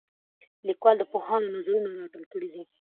لیکوال د پوهانو نظرونه راټول کړي دي.